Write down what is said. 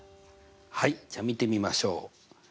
はいじゃあ見てみましょう。